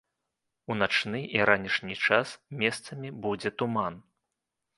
У начны і ранішні час месцамі будзе туман.